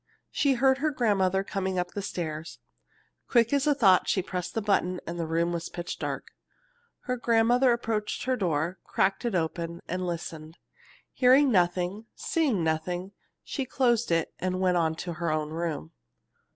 She heard her grandmother coming up the stairs. Quick as thought she pressed the button and the room was pitch dark. Her grandmother approached her door, opened it a crack and listened. Hearing nothing, seeing nothing, she closed it and went on to her own room.